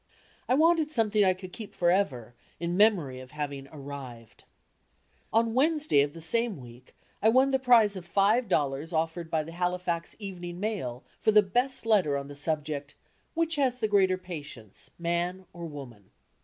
I wanted something I could keep for ever in memory of having "arrived." On Wednesday of the same week I won the pri^ of five dollars offered by the Halifax Evening Mail for the best letter on the subject, "Which has the greater patience man or woman?"